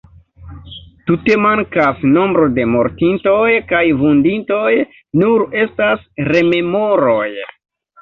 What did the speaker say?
Tute mankas nombro de mortintoj kaj vunditoj, nur estas rememoroj.